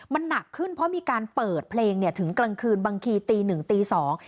มันหนักขึ้นเพราะมีการเปิดเพลงเนี่ยถึงกลางคืนบางทีตีหนึ่งตีสอง